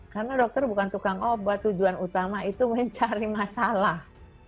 karena dokter bukan tukang obat tujuan utama itu mencari masalah